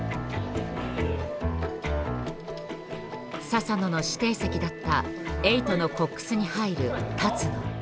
佐々野の指定席だったエイトのコックスに入る立野。